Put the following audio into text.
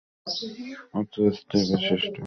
মাদ্রাসাটি বিশিষ্ট।